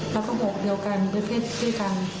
แล้วก็โหกเดียวกันด้วยเพศพี่กัน